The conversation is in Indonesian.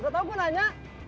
udah tau gue nanya